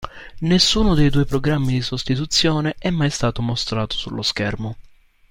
Nessuno dei due programmi di sostituzione è mai stato mostrato sullo schermo.